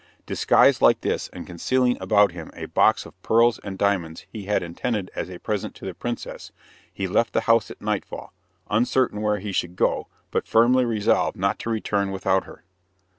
Disguised like this and concealing about him a box of pearls and diamonds he had intended as a present to the princess, he left the house at nightfall, uncertain where he should go, but firmly resolved not to return without her.